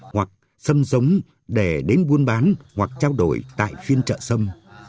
hoặc xâm giống để đến buôn bán hoặc trao đổi tại phiên chợ sâm